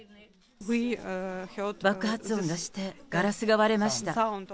爆発音がしてガラスが割れました。